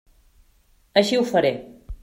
Així ho faré.